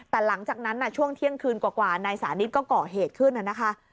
แต่หลังจากนั้นช่วงเที่ยงคืนกว่านายสานิทก็ก่อเหตุขึ้นนะคะ